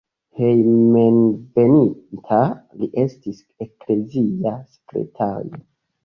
Hejmenveninta li estis eklezia sekretario.